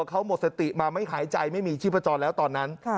เขาหมดสติมาไม่หายใจไม่มีชีพจรแล้วตอนนั้น